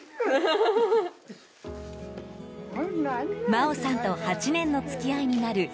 真央さんと８年の付き合いになる